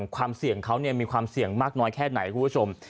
ความเสี่ยงเขามีความเสี่ยงมากน้อยแค่ไหนคุณผู้ชม